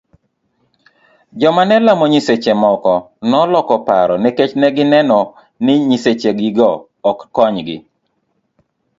Joma nelamo nyiseche moko noloko paro nikech negi neno ni nyiseche gigo ok konygi.